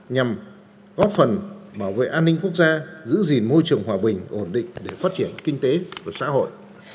nhằm góp phần bảo vệ an ninh quốc gia giữ gìn môi trường hòa bình ổn định để phát triển kinh tế của xã hội